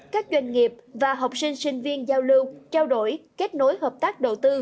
các doanh nghiệp và học sinh sinh viên giao lưu trao đổi kết nối hợp tác đầu tư